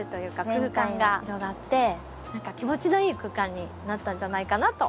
空間が広がって何か気持ちのいい空間になったんじゃないかなと。